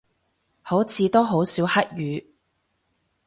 好似都好少黑雨